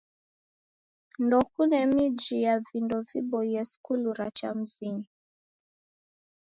Ndekune miji ya vindo viboie skulu ra cha mzinyi.